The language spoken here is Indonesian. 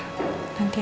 mau makan dulu ya